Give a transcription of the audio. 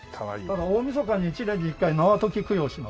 ただ大みそかに１年に１回縄解き供養をします。